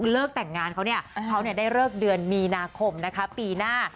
เลิกแต่งงานเขาได้เลิกเตือนมีนาคมปีหน้า